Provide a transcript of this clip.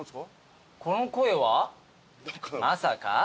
この声はまさか？